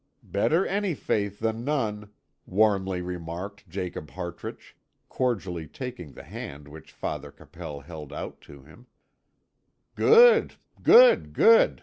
"Better any faith than none," warmly remarked Jacob Hartrich, cordially taking the hand which Father Capel held out to him. "Good! good! good!"